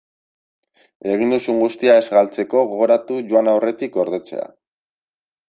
Egin duzun guztia ez galtzeko, gogoratu joan aurretik gordetzea.